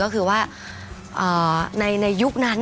แต่ก็คือว่าตอนนั้นที่เสียใจอีกอย่างนึง